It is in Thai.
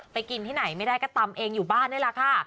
กินที่ไหนไม่ได้ก็ตำเองอยู่บ้านนี่แหละค่ะ